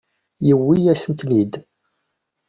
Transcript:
Yewwi-yasent-ten-id.